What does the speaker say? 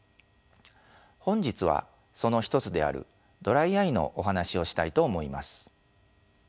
本日はその一つであるドライアイのお話をしたいと思います。